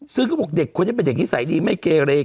ซึ่งเขาบอกเด็กคนนี้เป็นเด็กนิสัยดีไม่เกเร